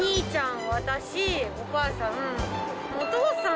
お兄ちゃん、私、お母さん。